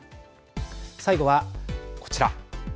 最後はこちら。